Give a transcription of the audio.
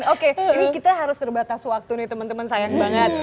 oke ini kita harus terbatas waktu nih teman teman sayang banget